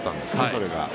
それが。